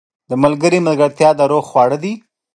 • د ملګري ملګرتیا د روح خواړه دي.